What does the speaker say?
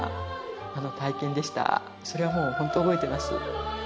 それはもう本当覚えてます。